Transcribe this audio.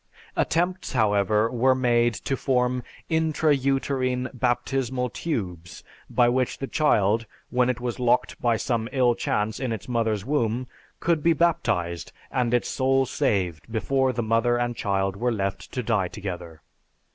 Attempts, however, were made to form intra uterine baptismal tubes by which the child, when it was locked by some ill chance in its mother's womb, could be baptized and its soul saved before the mother and child were left to die together.